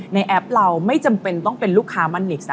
แอปเราไม่จำเป็นต้องเป็นลูกค้ามันนิกซะ